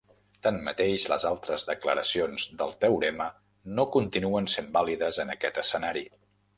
Tanmateix, les altres declaracions del teorema no continuen sent vàlides en aquest escenari.